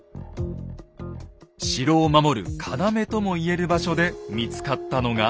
城を守る要とも言える場所で見つかったのが。